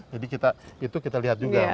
jadi itu kita lihat juga